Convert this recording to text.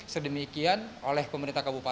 sedemikian oleh pemerintah kabupaten